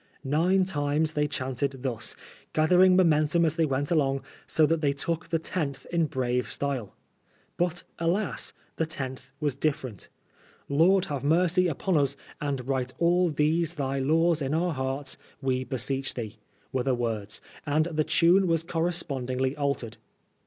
'' Nine times they chanted thus, gather ing momentum as they went along, so that they took the tenth in brave style. But, alas I the tenth was different. " Lord have mercy upon us, and write all these thy laws in our hearts, we beseech thee," were the words, and the tune was correspondingly altered.